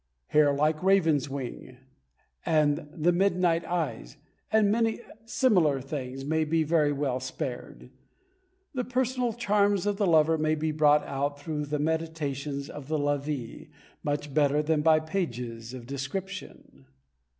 "Hair like raven's wing," and the "midnight eyes," and many similar things, may be very well spared. The personal charms of the lover may be brought out through the mediations of the lovee, much better than by pages of description.